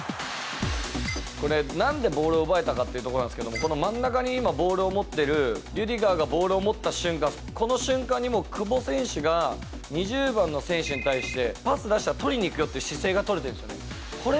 これ、なんでボールを奪えたかっていうところなんですけど、この真ん中に今、ボールを持ってる、リュディガーがボールを持った瞬間、この瞬間にもう、久保選手が２０番の選手に対して、パス出したら取りに行くよっていう姿勢が取れてるんですよね。